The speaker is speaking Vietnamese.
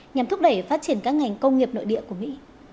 nhằm thúc đẩy phát triển các ngành công nghiệp nội địa của mỹ